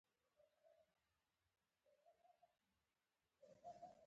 مثانه یو څه ناڅه پېړه ارتجاعي کڅوړه ده.